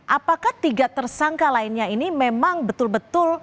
apakah tiga tersangka lainnya ini memang betul betul